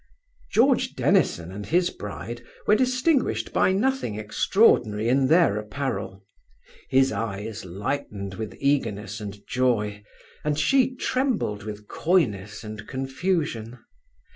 George Dennison and his bride were distinguished by nothing extraordinary in their apparel. His eyes lightened with eagerness and joy, and she trembled with coyness and confusion.